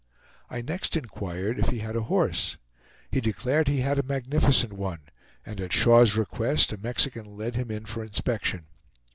I next inquired if he had a horse; he declared he had a magnificent one, and at Shaw's request a Mexican led him in for inspection.